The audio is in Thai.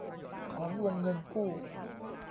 ของวงเงินกู้